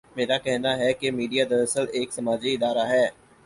میرا کہنا ہے کہ میڈیا دراصل ایک سماجی ادارہ ہے۔